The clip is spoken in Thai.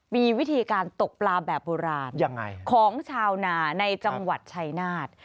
มีวิธีการตกปลาแบบโบราณของชาวนาในจังหวัดชัยนาธ